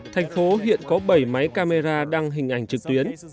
thành phố hiện có bảy máy camera đăng hình ảnh trực tuyến